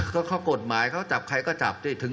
ก็เขาบอกว่าจับใครก็จับ